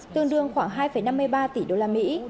tương đương khoảng hai năm mươi ba tỷ đô la mỹ